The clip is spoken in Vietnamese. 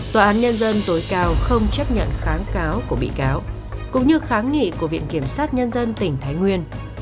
tòa án nhân dân tối cao không chấp nhận kháng cáo của bị cáo cũng như kháng nghị của viện kiểm sát nhân dân tỉnh thái nguyên